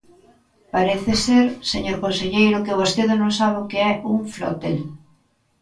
Parece ser, señor conselleiro, que vostede non sabe o que é un flotel.